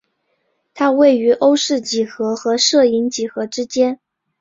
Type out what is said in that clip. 它位于欧氏几何和射影几何之间。